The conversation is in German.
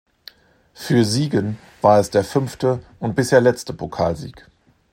Für Siegen war es der fünfte und bisher letzte Pokalsieg.